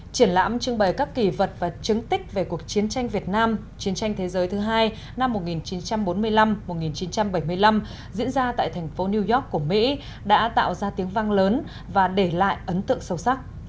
triển lãm trưng bày các kỳ vật và chứng tích về cuộc chiến tranh việt nam chiến tranh thế giới thứ hai năm một nghìn chín trăm bốn mươi năm một nghìn chín trăm bảy mươi năm diễn ra tại thành phố new york của mỹ đã tạo ra tiếng vang lớn và để lại ấn tượng sâu sắc